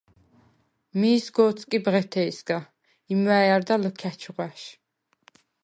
მიი სგო̄თსკი ბღეთეჲსგა, იმვა̈ჲ არდა ლჷქა̈ჩ ღვაშ.